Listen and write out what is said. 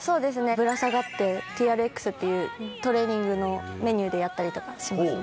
ぶら下がってＴＲＸっていうトレーニングのメニューでやったりとかしますね。